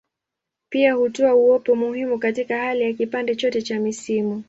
Pia hutoa uwepo muhimu katika hali ya kipande chote cha misimu.